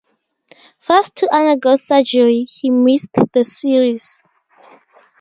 Forced to undergo surgery, he missed the series.